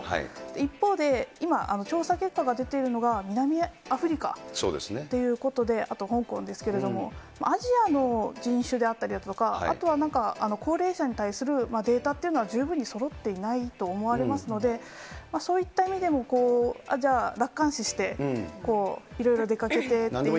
一方で、今、調査結果が出ているのが南アフリカということで、あと香港ですけれども、アジアの人種であったりだとか、あとはなんか高齢者に対するデータというのは、十分にそろっていないと思われますので、そういった意味でも、じゃあ楽観視して、いろいろ出かけてっていう。